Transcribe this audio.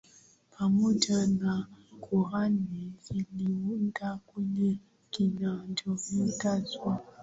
pamoja na Korani ziliunda kile kinachoitwa Sunnah